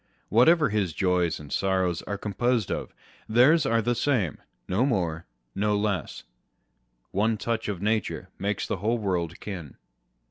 whatever his joys and sorrows are composed of, theirs are the same â€" no more, no less. One touch of nature makes the whole world kin.